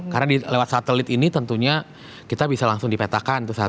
karena lewat satelit ini tentunya kita bisa langsung dipetakan